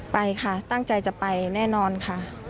ไปค่ะตั้งใจจะไปแน่นอนค่ะ